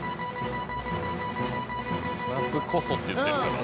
「夏こそ」って言ってるから。